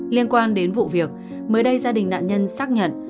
liên quan đến vụ việc mới đây gia đình nạn nhân xác nhận